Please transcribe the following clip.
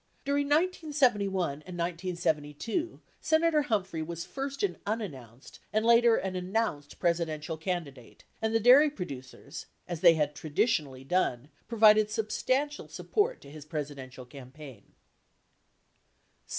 During 1971 and 1972, Senator Humphrey was first an unannounced and later an announced Presi dential candidate, and the dairy producers, as they had traditionally done, provided substantial support to his Presidential campaign.